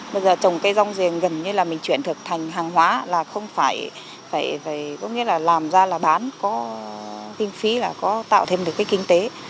bây giờ trồng cây rong rìa gần như là mình chuyển thực thành hàng hóa là không phải phải phải phải có nghĩa là làm ra là bán có tiền phí là có tạo thêm được cái kinh tế